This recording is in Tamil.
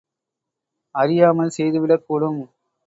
அறியாமல் செய்து விடக் கூடும்.